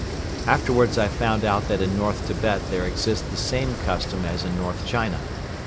Afterwards I found out that in North Tibet there exists the same custom as in North China.